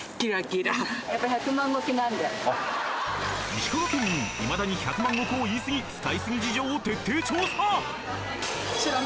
石川県民いまだに「百万石」を言い過ぎ使い過ぎ事情を徹底調査！